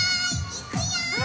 いくよ！